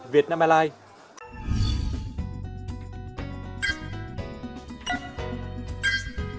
đăng bài like